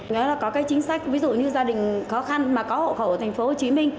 nó là có cái chính sách ví dụ như gia đình khó khăn mà có hộ khẩu tp hcm